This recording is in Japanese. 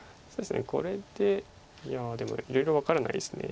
これでいやでもいろいろ分からないです。